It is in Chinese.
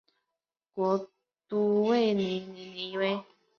国都定于尼尼微。